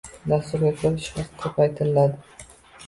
Dasturga koʻra ish haqi koʻpaytiriladi.